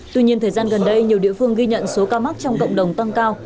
tuy nhiên thời gian gần đây nhiều địa phương ghi nhận số ca mắc trong cộng đồng tăng cao